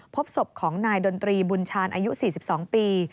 พบศพของนายดนตรีบุญชาญอายุ๔๒ปี